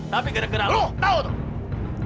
tapi gara gara lo tau tuh